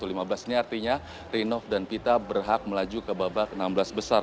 ini artinya rinov dan pita berhak melaju ke babak enam belas besar